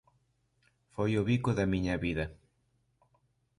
Foi o bico da miña vida.